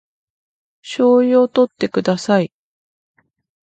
醤油をとってください